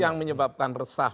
yang menyebabkan resah